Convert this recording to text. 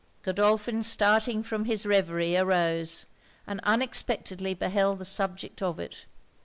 Godolphin starting from his reverie, arose, and unexpectedly beheld the subject of it.